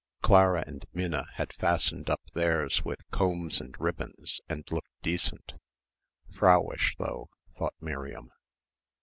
Clara and Minna had fastened up theirs with combs and ribbons and looked decent frauish though, thought Miriam.